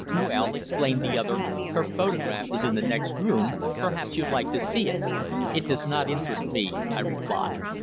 "Well," exclaimed the other, "her photograph is in the next room; perhaps you'd like to see it." "It does not interest me," I replied.